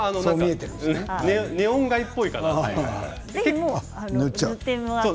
ネオン街っぽいかなって。